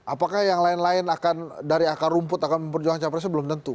apakah yang lain lain akan dari akar rumput akan memperjuangkan capresnya belum tentu